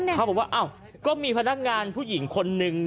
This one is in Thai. เขาบอกว่าอ้าวก็มีพนักงานผู้หญิงคนนึง